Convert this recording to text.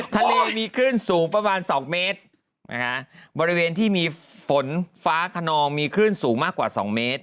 ทะเลมีคลื่นสูงประมาณ๒เมตรบริเวณที่มีฝนฟ้าขนองมีคลื่นสูงมากกว่า๒เมตร